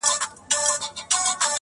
زه له خپلي ډيري ميني ورته وايم.